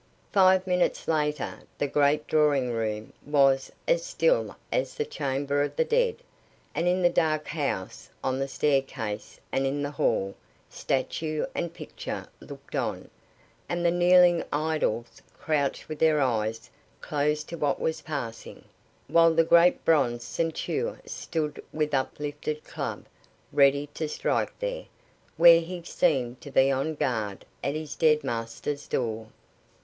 Five minutes later the great drawing room was as still as the chamber of the dead, and in the dark house on staircase and in hall statue and picture looked on, and the kneeling idols crouched with their eyes closed to what was passing, while the great bronze centaur stood with uplifted club, ready to strike there, where he seemed to be on guard, at his dead master's door.